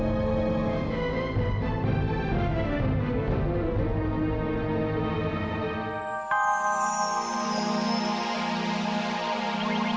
kalau tentang normalitas rbn